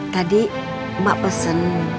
tadi emak pesen